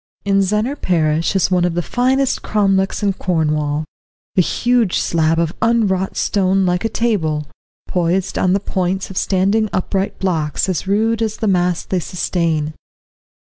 In Zennor parish is one of the finest cromlechs in Cornwall, a huge slab of unwrought stone like a table, poised on the points of standing upright blocks as rude as the mass they sustain.